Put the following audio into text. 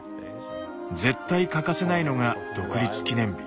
絶対欠かせないのが独立記念日。